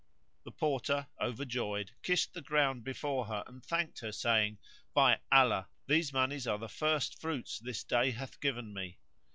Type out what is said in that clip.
The Porter, over joyed, kissed the ground before her and thanked her saying, "By Allah, these monies are the first fruits this day hath given me."